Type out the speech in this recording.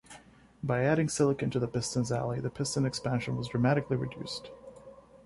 By adding silicon to the piston's alloy, the piston expansion was dramatically reduced.